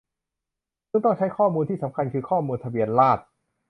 ซึ่งต้องใช้ข้อมูลที่สำคัญคือข้อมูลทะเบียนราษฎร์